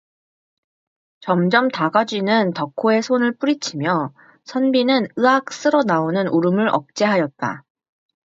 점점 다가쥐는 덕호의 손을 뿌리치며 선비는 으악 쓸어 나오는 울음을 억제하였다.